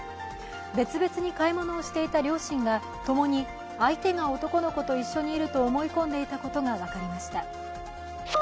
別々に買い物をしていた両親がともに相手が男の子と一緒にいると思い込んでいたことが分かりました。